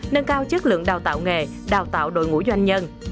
nâng cao chất lượng đào tạo nghề đào tạo đội ngũ doanh nhân